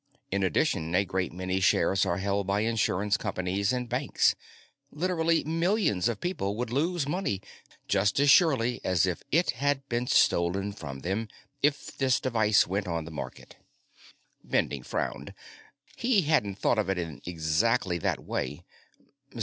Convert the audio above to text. In addition, a great many shares are held by insurance companies and banks. Literally millions of people would lose money just as surely as if it had been stolen from them if this device went on the market." Bending frowned. He hadn't thought of it in exactly that way.